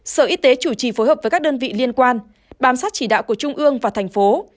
sở y tế chủ trì phối hợp với các đơn vị liên quan bám sát chỉ đạo của trung ương và thành phố